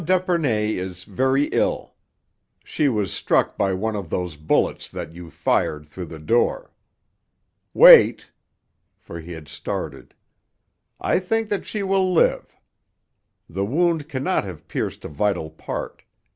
d'Epernay is very ill. She was struck by one of those bullets that you fired through the door. Wait!" for he had started. "I think that she will live. The wound cannot have pierced a vital part.